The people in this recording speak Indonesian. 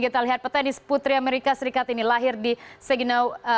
kita lihat petenis putri amerika serikat ini lahir di seginau